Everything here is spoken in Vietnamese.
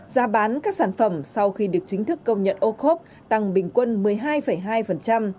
giá bán các sản phẩm sau khi được chính thức công nhận ô cốp tăng bình quân một mươi hai hai